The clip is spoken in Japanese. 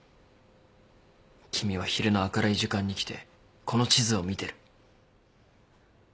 君は昼の明るい時間に来てこの地図を見てる。